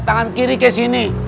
tangan kiri kayak sini